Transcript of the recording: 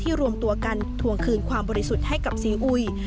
รวมตัวกันทวงคืนความบริสุทธิ์ให้กับซีอุย